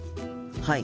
はい。